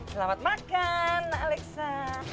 selamat makan nak alexa